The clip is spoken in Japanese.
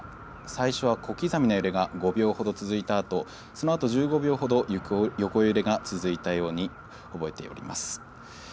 最初は小刻みな揺れが５秒ほど続いたあと、そのあと１５秒、横揺れが続いたように覚えております。